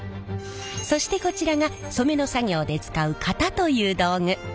そしてこちらが染めの作業で使う型という道具。